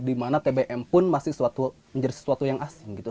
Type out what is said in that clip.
dimana tbm pun masih menjadi sesuatu yang asing gitu